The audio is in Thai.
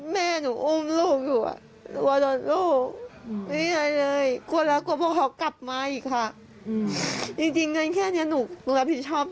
ไม่ได้เลยกลัวและกลัวพวกเขากลับมาอีกครับ